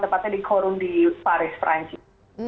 tepatnya di quorum di paris perancis